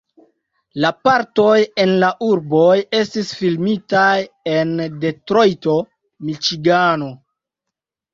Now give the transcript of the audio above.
La partoj en la urboj estis filmitaj en Detrojto, Miĉigano.